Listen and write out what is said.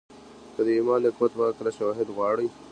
که د ايمان د قوت په هکله شواهد غواړئ.